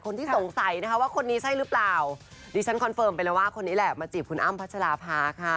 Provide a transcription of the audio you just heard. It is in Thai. ใช่หรือเปล่าดิฉันคอนเฟิร์มไปแล้วว่าคนนี้แหละมาจีบคุณอ้ำพัชราภาค่ะ